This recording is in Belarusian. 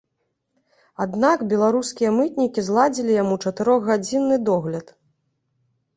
Аднак беларускія мытнікі зладзілі яму чатырохгадзінны догляд.